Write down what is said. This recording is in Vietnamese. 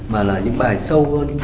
mà là những bài sâu hơn